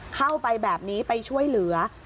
เข้าไปแบบนี้ไปช่วยเหลือ